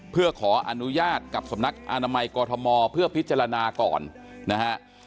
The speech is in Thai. เพื่อขออนุญาตกับสำนักอนามัยกรทมเพื่อพิจารณาก่อนนะฮะ